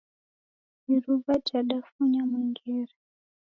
Iruwa jadafunya mwengere